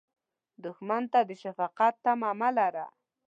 دښمن ته د شفقت تمه مه لره